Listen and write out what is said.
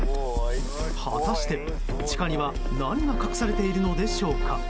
果たして、地下には何が隠されているのでしょうか。